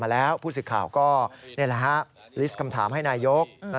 มาแล้วพูดถือข่าวก็ลิสต์คำถามให้นายยกแล้ว